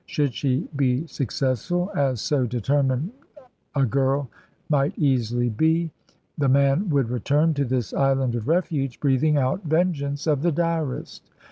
Should she be successful, as so determined girl might easily be, the man would return to this Island of Refuge breathing out vengeance of the direst.